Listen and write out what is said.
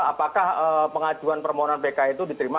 apakah pengajuan permohonan pk itu diterima